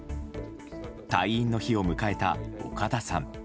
退院の日を迎えた岡田さん。